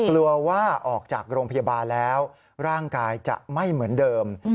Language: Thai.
กลัวว่าออกจากโรงพยาบาลแล้วร่างกายจะไม่เหมือนเดิม